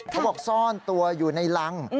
เขาบอกซ่อนตัวอยู่ในรัง